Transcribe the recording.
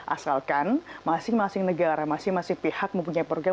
asalkan masing masing negara masing masing pihak mempunyai program